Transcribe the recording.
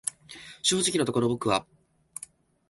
正直のところ僕は、